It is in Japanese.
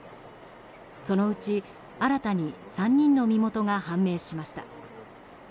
そのうち新たに３人の身元が判明しました。